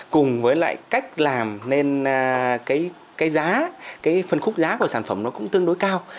cùng với lại cách làm nên cái giá cái phân khúc giá của sản phẩm nó cũng tương đối cao